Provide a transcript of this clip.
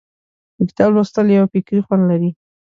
د کتاب لوستل یو فکري خوند لري.